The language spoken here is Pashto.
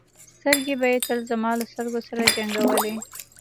سترګې به یې تل زما له سترګو سره جنګولې.